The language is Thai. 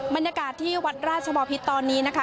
บรรยากาศที่วัดราชบอพิษตอนนี้นะคะ